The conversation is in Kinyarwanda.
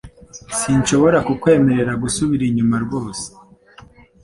Sinshobora kukwemerera gusubira inyuma rwose